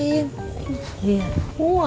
buang tuh bayamnya